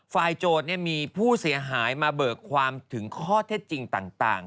โจทย์มีผู้เสียหายมาเบิกความถึงข้อเท็จจริงต่าง